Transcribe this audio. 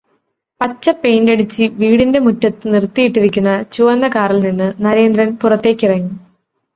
പച്ച പെയിന്റടിച്ചി വീടിന്റെ മുറ്റത്ത് നിറുത്തിയിട്ടിരിക്കുന്ന ചുവന്ന കാറില് നിന്ന് നരേന്ദ്രൻ പുറത്തേക്കിറങ്ങി